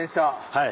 はい。